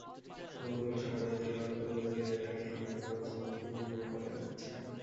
গতকাল সকালে দেলোয়ার কৌড়তলী এলাকা থেকে মাইক্রোবাসে মাদক নিয়ে বিজয়নগরে যাচ্ছিলেন।